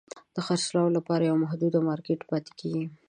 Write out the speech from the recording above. د خرڅلاو لپاره یو محدود مارکېټ پاتې کیږي.